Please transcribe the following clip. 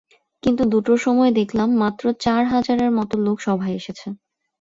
কিন্তু দুটোর সময় দেখলাম, মাত্র চার হাজারের মতো লোক সভায় এসেছে।